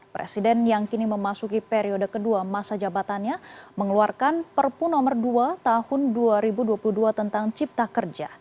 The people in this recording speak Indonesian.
presiden yang kini memasuki periode kedua masa jabatannya mengeluarkan perpu nomor dua tahun dua ribu dua puluh dua tentang cipta kerja